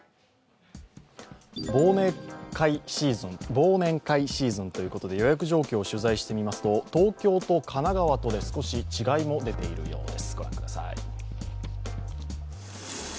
忘年会シーズンということで予約状況を取材してみますと東京と神奈川とで少し違いも出ているようです。